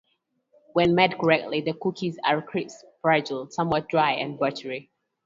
When made correctly, the cookies are crisp, fragile, somewhat dry, and buttery.